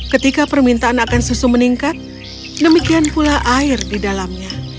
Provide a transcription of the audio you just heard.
ketika permintaan akan susu meningkat demikian pula air di dalamnya